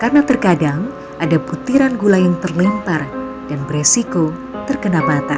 karena terkadang ada putiran gula yang terlimpar dan beresiko terkena bataan